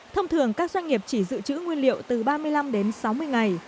thông thường các doanh nghiệp chỉ dự trữ nguyên liệu từ ba mươi năm đến sáu mươi ngày